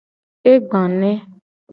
E gba ne.